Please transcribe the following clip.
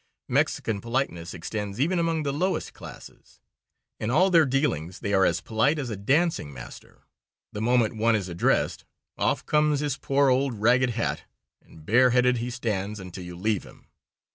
Mexican politeness extends even among the lowest classes. In all their dealings they are as polite as a dancing master. The moment one is addressed off comes his poor, old, ragged hat, and bare headed he stands until you leave him.